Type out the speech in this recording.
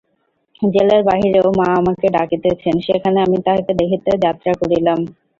জেলের বাহিরেও মা আমাকে ডাকিতেছেন, সেখানে আমি তাঁহাকে দেখিতে যাত্রা করিলাম।